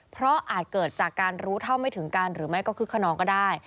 เพราะอาจเกิดจากการรู้เท่าไม่ถึงกันหรือไม่ก็คึกขนองก็ได้